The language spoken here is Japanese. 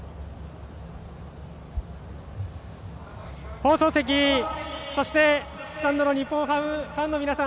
放送席、スタンドの日本ハムファンの皆さん